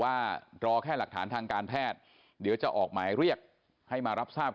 ว่ารอแค่หลักฐานทางการแพทย์เดี๋ยวจะออกหมายเรียกให้มารับทราบ